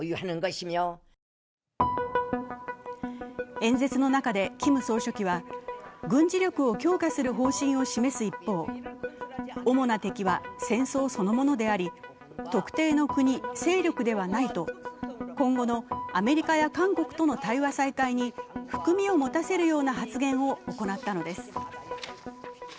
演説の中でキム総書記は軍事力を強化する方針を示す一方、主な敵は、戦争そのものであり特定の国、勢力ではないと今後のアメリカや韓国との対話再開に含みを持たせるような発言を行ったのです。